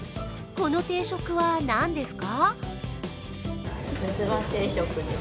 この定食は何ですか？